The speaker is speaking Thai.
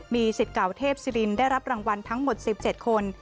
มีสิทธิ์เก่าเทพศิรินได้รับรางวัลทั้งหมด๑๗คน